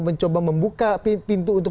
mencoba membuka pintu untuk